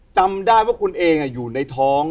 จำได้ว่าคุณเองอยู่ในท้อง